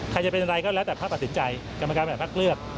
ใครจะเป็นอะไรก็แล้วแต่ภาคตัดสินใจกรรมการบริหารพักเลือก